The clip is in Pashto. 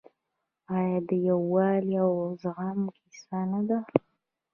آیا د یووالي او زغم کیسه نه ده؟